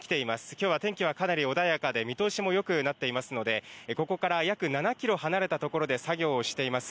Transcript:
きょうは天気はかなり穏やかで、見通しもよくなっていますので、ここから約７キロ離れた所で作業をしています